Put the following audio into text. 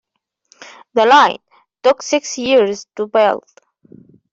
The line took six years to build.